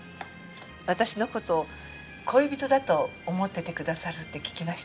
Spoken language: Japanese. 私の事恋人だと思っててくださるって聞きました